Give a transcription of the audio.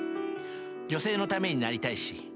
女性のためになりたいし。